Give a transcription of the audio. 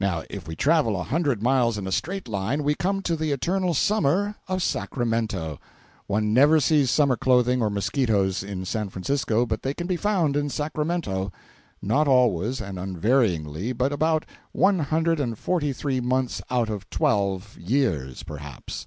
Now if we travel a hundred miles in a straight line, we come to the eternal Summer of Sacramento. One never sees Summer clothing or mosquitoes in San Francisco—but they can be found in Sacramento. Not always and unvaryingly, but about one hundred and forty three months out of twelve years, perhaps.